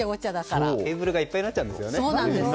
ケーブルがいっぱいになっちゃうんですよね。